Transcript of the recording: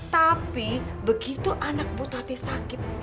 tapi begitu anak bu tati sakit